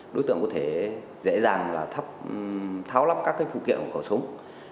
đối tượng có thể dễ dàng và tháo lắp các phụ kiện của khẩu súng